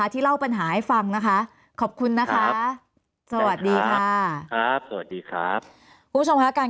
ที่เล่าปัญหาให้ฟังขอบคุณนะคะสวัสดีครับคุณผู้ชมค่ะการ